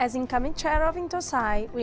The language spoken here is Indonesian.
dan sebagai pemerintah yang datang ke citwini